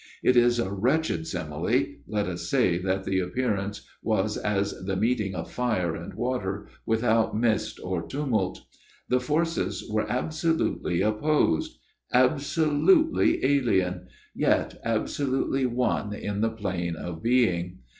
It is a wretched simile let us say that the appearance was as the meeting of fire and water without mist or tumult. The forces were absolutely opposed absolutely alien yet absolutely one in the plane of being.